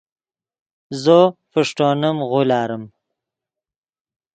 زو فݰٹونیم غولاریم